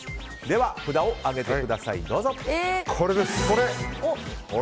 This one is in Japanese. では、札を上げてください。